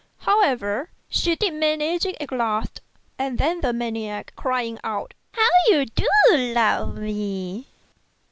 However, she did manage it at last, and then the maniac crying out, " How you do love me